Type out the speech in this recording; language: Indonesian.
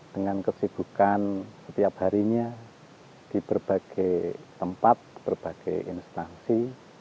dengan kesibukan setiap harinya di berbagai tempat berbagai instansi